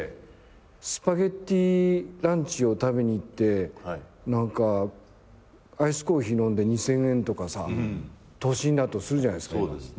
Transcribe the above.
スパゲティランチを食べに行ってアイスコーヒー飲んで２，０００円とか都心だとするじゃないですか。